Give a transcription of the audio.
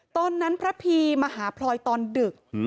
ตอนนั้นพระพีมาหาพลอยตอนดึก